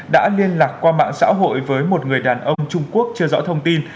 đã liên lạc qua mạng xã hội với một người đàn ông trung quốc chưa rõ thông tin